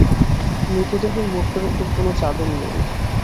মৃতদেহের মুখের ওপর কোনো চাদর নেই।